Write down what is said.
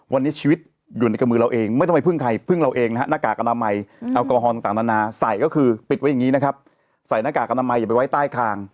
วันนี้ชีวิตอยู่ในกระมือเราเองเพิ่มเราเองหน้ากากอันใหม่อัลกอฮอลต่างใส่ก็คือปิดไว้อย่าไปไว้ใต้ข้าง